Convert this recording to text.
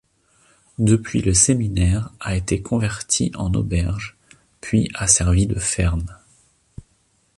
Depuis le séminaire a été converti en auberge, puis a servi de ferme.